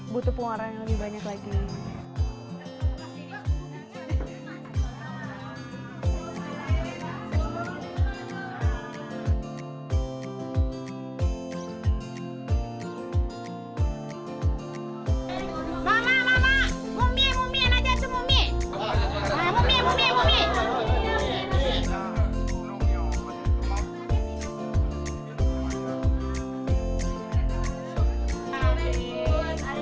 butuh pengaruh yang lebih banyak lagi